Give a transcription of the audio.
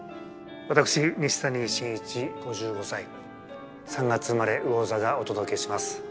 私西谷慎一５５歳３月生まれ魚座がお届けします。